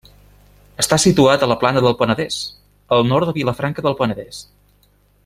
Està situat a la plana del Penedès, al nord de Vilafranca del Penedès.